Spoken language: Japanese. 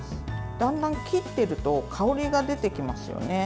だんだん切っていると香りが出てきますよね。